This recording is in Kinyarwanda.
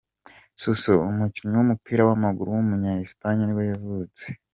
Suso, umukinnyi w’umupira w’amaguru w’umunya Espagne nibwo yavutse.